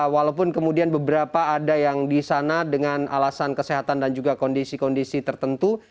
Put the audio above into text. walaupun kemudian beberapa ada yang di sana dengan alasan kesehatan dan juga kondisi kondisi tertentu